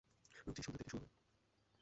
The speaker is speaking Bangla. রোজই সন্ধ্যা থেকে শুরু হয়।